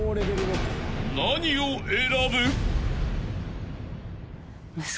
［何を選ぶ？］